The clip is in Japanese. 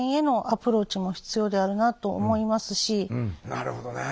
なるほどね。